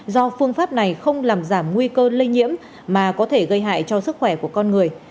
do phương pháp này không làm giảm nguy cơ lây nhiễm mà có thể gây hại cho sức khỏe của con người